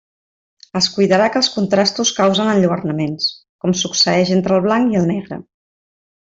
Es cuidarà que els contrastos causen enlluernaments, com succeïx entre el blanc i el negre.